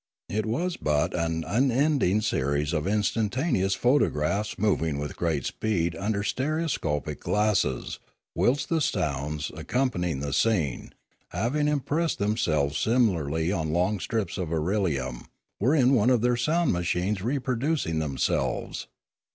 It was but an unending series of instantaneous photographs mov ing with great speed under stereoscopic glasses, whilst the sounds accompanying the scene, having impressed themselves similarly on long strips of irelium, were in one of their sound machines reproducing themselves.